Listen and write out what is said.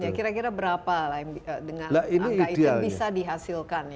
ya kira kira berapa dengan angka itu bisa dihasilkan